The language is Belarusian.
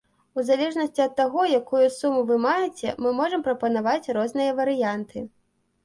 У залежнасці ад таго, якую суму вы маеце, мы можам прапанаваць розныя варыянты.